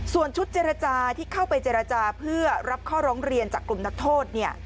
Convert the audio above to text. ส่วนชุดเจรจาที่เข้าไปเจรจาเพื่อรับข้อร้องเรียนจากกลุ่มนักโทษเนี่ย